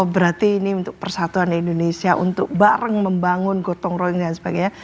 berarti ini untuk persatuan indonesia untuk bareng membangun gotong royong dan sebagainya